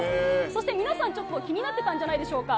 そしてみなさん、ちょっと気になってたんじゃないでしょうか。